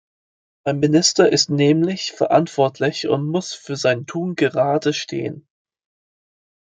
Ein Minister ist nämlich verantwortlich und muss für sein Tun gerade stehen.